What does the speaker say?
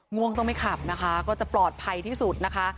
ง่วงต้องไม่ขับนะคะก็จะปลอดภัยที่สุดนะคะ